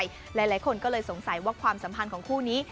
หลายคนก็เลยสงสัยว่าความสัมพันธ์ของคู่นี้